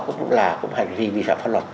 cũng là hành vi vi phạm pháp luật